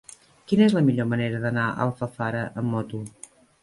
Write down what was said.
Quina és la millor manera d'anar a Alfafara amb moto?